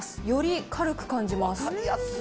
より軽く感じます。